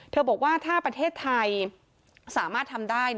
บอกว่าถ้าประเทศไทยสามารถทำได้